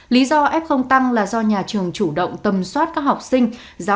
lý do f tăng là do nhà trường chủ động tầm soát các học sinh